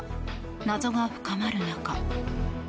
謎が深まる中。